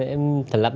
em thành lập